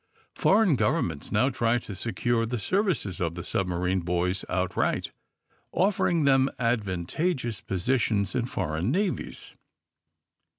Foreign govern ments now tried to secure the services of the submarine boys outright, offering them advan tageous positions in foreign navies.